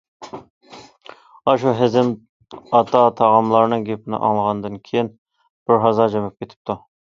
ئاشۇ ھېزىم ئاتا تاغاملارنىڭ گېپىنى ئاڭلىغاندىن كېيىن بىر ھازا جىمىپ كېتىپتۇ.